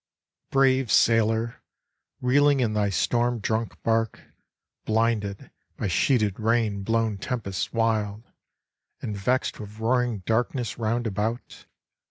Brave sailor, reeling in thy storm drunk bark, Blinded by sheeted rain blown tempest wild, And vexed with roaring darkness round about!